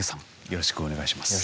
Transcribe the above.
よろしくお願いします。